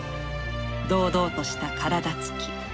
堂々とした体つき。